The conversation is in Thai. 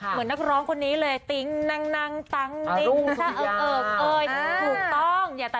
เหมือนนักร้องคนนี้เลย